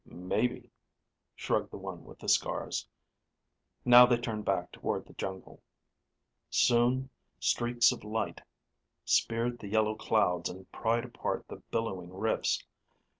"Maybe," shrugged the one with the scars. Now they turned back toward the jungle. Soon, streaks of light speared the yellow clouds and pried apart the billowing rifts.